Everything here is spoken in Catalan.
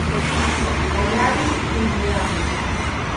Ballar-hi el diable.